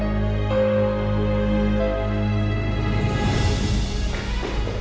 bapak aku mau ke sekolah